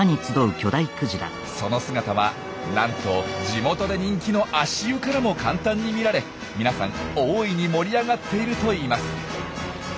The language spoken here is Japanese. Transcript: その姿はなんと地元で人気の足湯からも簡単に見られ皆さん大いに盛り上がっているといいます。